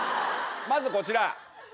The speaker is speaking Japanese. まずこちら。